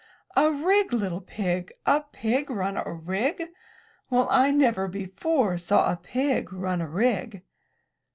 "A rig, little pig! A pig run a rig! Well, I never before saw a pig run a rig!"